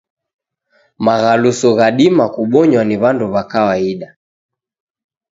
Maghaluso ghadima kubonywa ni w'andu wa kawaida.